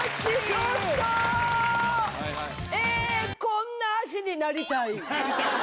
こんな足になりたい！